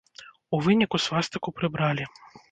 У выніку свастыку прыбралі.